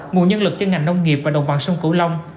nguồn nhân lực cho ngành nông nghiệp và đồng bằng sông cửu long